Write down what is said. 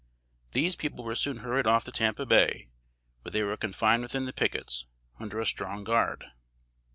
These people were soon hurried off to Tampa Bay, where they were confined within the pickets, under a strong guard.